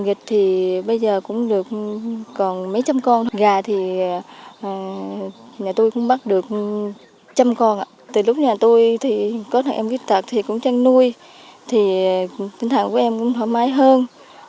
em trai chị cũng vui vẻ hơn